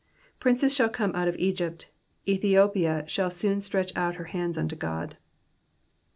31 Princes shall come out of Egypt ; Ethiopia shall soon stretch out her hands unto God.